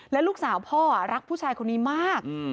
และลูกสาวพ่อรักผู้ชายคนนี้มาก